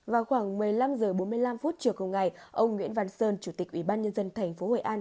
vào khoảng một mươi năm h bốn mươi năm trước hôm ngày ông nguyễn văn sơn chủ tịch ubnd tp hội an